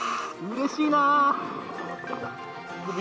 うれしいな！